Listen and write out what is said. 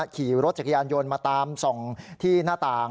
ขี่รถจักรยานยนต์มาตามส่องที่หน้าต่าง